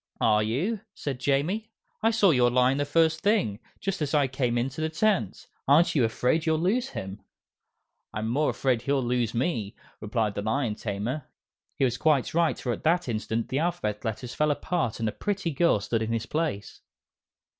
"Are you?" said Jamie. "I saw your lion the first thing just as I came into the tent. Aren't you afraid you'll lose him?" "I'm more afraid he'll lose me," replied the Lion Tamer. He was quite right, for at that instant the Alphabet Letters fell apart and a pretty girl stood in his place.